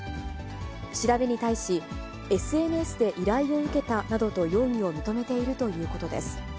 調べに対し、ＳＮＳで依頼を受けたなどと容疑を認めているということです。